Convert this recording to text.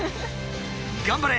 頑張れ！